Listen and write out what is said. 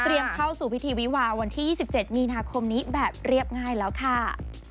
เข้าสู่พิธีวิวาวันที่๒๗มีนาคมนี้แบบเรียบง่ายแล้วค่ะ